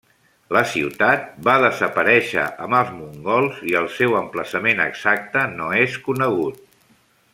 La ciutat va desaparèixer amb els mongols i el seu emplaçament exacte no és conegut.